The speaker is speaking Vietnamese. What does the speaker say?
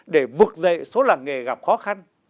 để vượt dậy số làng nghề gặp khó khăn